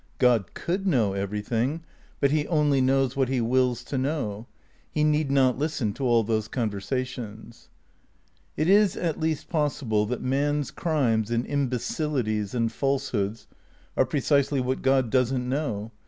God could know everything; but he only knows what he wills to know. He need not listen to all those conversations. It is at least possible that man's crimes and imbecil ities and falsehoods are precisely what God doesn't know.